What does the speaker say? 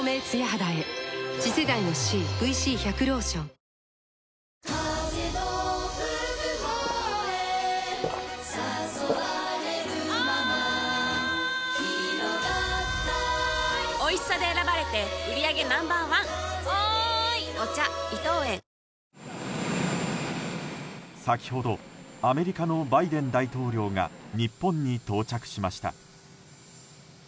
Ｇ７の首脳がそろって先ほどアメリカのバイデン大統領が日本に到着しました。